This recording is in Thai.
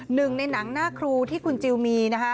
หนึ่งในหนังหน้าครูที่คุณจิลมีนะคะ